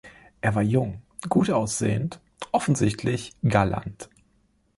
Er war jung, gut aussehend, offensichtlich galant.